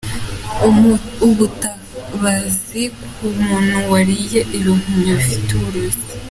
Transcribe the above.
Ubutabazi ku muntu wariye ibihumyo bifite uburozi.